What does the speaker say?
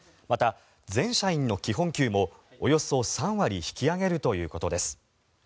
また、全社員の基本給もおよそ３割引き上げるということです。